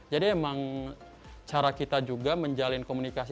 jadi emang cara kita juga menjalin komunikasi